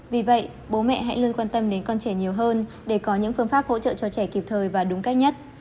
vì vậy bố mẹ hãy luôn quan tâm đến con trẻ nhiều hơn để có những phương pháp hỗ trợ cho trẻ kịp thời và đúng cách nhất